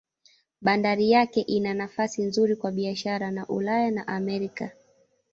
Bandari yake ina nafasi nzuri kwa biashara na Ulaya na Amerika.